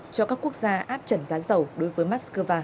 cho các quốc gia áp trần giá dầu đối với moscow